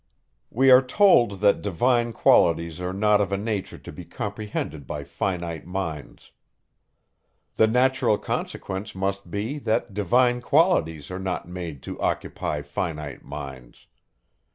We are told, that divine qualities are not of a nature to be comprehended by finite minds. The natural consequence must be, that divine qualities are not made to occupy finite minds.